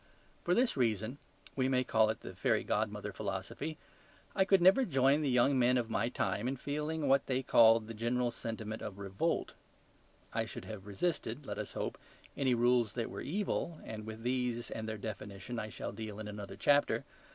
For this reason (we may call it the fairy godmother philosophy) I never could join the young men of my time in feeling what they called the general sentiment of REVOLT. I should have resisted, let us hope, any rules that were evil, and with these and their definition I shall deal in another chapter.